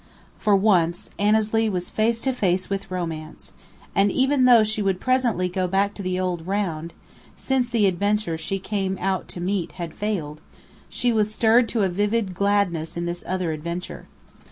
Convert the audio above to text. For once Annesley was face to face with romance, and even though she would presently go back to the old round (since the adventure she came out to meet had failed), she was stirred to a wild gladness in this other adventure.